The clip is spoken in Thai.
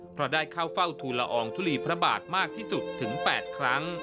เพราะได้เข้าเฝ้าทุนละอองทุลีพระบาทมากที่สุดถึง๘ครั้ง